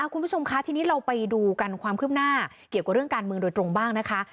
คุณผู้ชมคะทีนี้เราไปดูกันความคืบหน้าเกี่ยวกับเรื่องการเมืองโดยตรงบ้างนะคะ